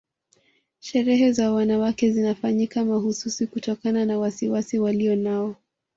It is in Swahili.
Sherehe za wanawake zinafanyika mahususi kutokana na wasiwasi walionao